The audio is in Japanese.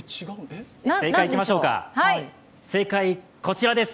正解、こちらです。